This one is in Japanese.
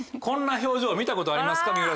こんな表情見たことありますか？